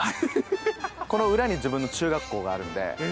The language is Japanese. この裏に自分の中学校があるんで。